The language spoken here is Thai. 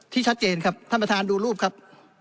ชัดเจนครับท่านประธานดูรูปครับ